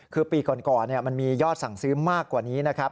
คือปีก่อนมันมียอดสั่งซื้อมากกว่านี้นะครับ